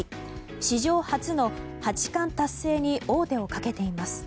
史上初の八冠達成に王手をかけています。